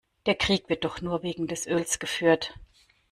Der Krieg wird doch nur wegen des Öls geführt.